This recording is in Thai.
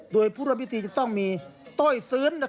โดยผู้ร่วมพิธีจะต้องมีต้อยซื้น